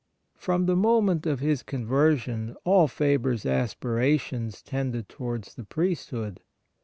From the moment of his conversion all Faber's aspirations tended towards the priesthood.